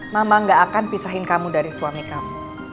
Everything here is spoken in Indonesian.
mama gak akan pisahin kamu dari suami kamu